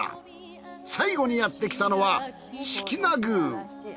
最後にやってきたのは識名宮。